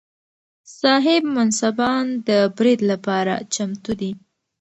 صاحب منصبان د برید لپاره چمتو دي.